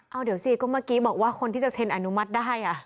เอาเดี๋ยวสิก็เมื่อกี้บอกว่าคนที่จะเซ็นอนุมัติได้